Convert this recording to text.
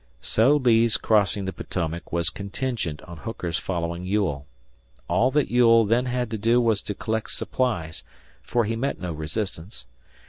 So Lee's crossing the Potomac was contingent on Hooker's following Ewell. All that Ewell then had to do was to collect supplies, for he met no resistance.